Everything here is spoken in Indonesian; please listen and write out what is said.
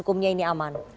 hukumnya ini aman